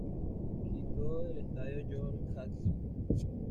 Quito del Estadio George Capwell.